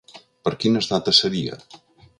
Per quines dates seria?